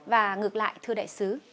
và ngược lại thưa đại sứ